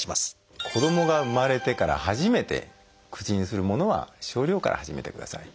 子どもが生まれてから初めて口にするものは少量から始めてください。